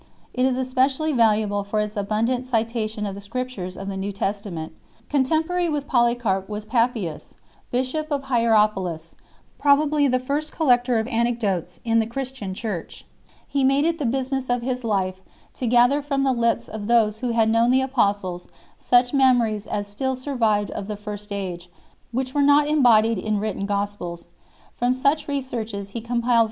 It is especially valuable for its abundant citation of the Scrip tures of the New Testament. Contemporary with Poly carp was Papias 4 , bishop of Hierapolis, probably the first collector of anecdotes in the Christian Church. He made it the business of his life to gather from the lips of those who had known the Apostles such memories as still sur vived of the first age, which were not embodied in written gospels. From such researches he compiled